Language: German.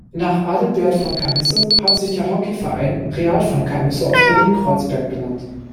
Nach Adelbert von Chamisso hat sich der Hockeyverein "Real von Chamisso" aus Berlin-Kreuzberg benannt.